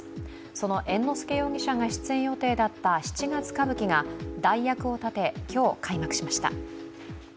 その猿之助容疑者が出演予定だった「七月歌舞伎」が代役を立て、今日、開幕しました。